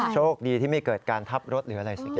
โชคดีที่ไม่เกิดการทับรถหรืออะไรสักอย่าง